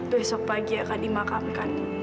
besok pagi akan dimakamkan